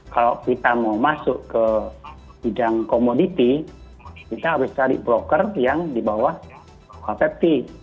kalau kita mau masuk ke hidang komen tapi kita harus cari broker yang di bawah kpp